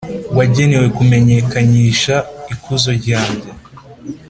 wagenewe kumenyekanyisha ikuzo ryanjye.